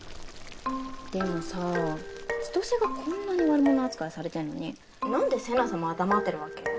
でもさぁ千歳がこんなに悪者扱いされてんのになんで瀬那様は黙ってるわけ？